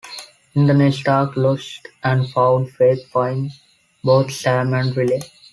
In the next arc "Lost and Found" Faith finds both Sam and Riley.